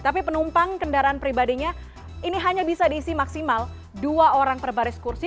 tapi penumpang kendaraan pribadinya ini hanya bisa diisi maksimal dua orang per baris kursi